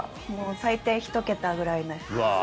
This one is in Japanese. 最低１桁ぐらいで。